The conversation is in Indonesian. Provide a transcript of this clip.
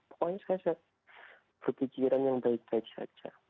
pokoknya saya berpikiran yang baik baik saja